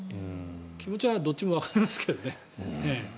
気持ちはどっちもわかりますけどね。